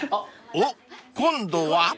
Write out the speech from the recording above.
［おっ今度は？］